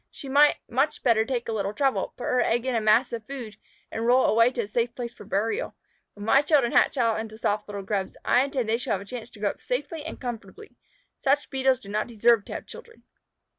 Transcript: She might much better take a little trouble, put her egg in a mass of food, and roll it away to a safe place for burial. When my children hatch out into soft little Grubs, I intend they shall have a chance to grow up safely and comfortably. Such Beetles do not deserve to have children."